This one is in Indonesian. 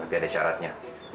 tapi ada syaratnya